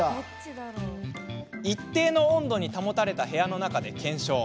一定の温度に保たれた部屋の中で検証。